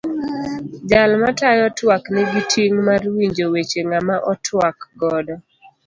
Jal matayo twak nigi ting' mar winjo weche ng'ama otwak godo.